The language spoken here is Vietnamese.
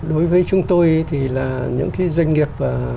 đối với chúng tôi thì là những cái doanh nghiệp